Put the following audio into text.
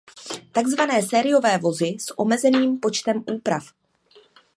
Tak zvané sériové vozy s omezeným počtem úprav.